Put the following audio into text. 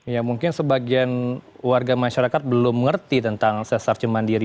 ya mungkin sebagian warga masyarakat belum mengerti tentang sesar cemandiri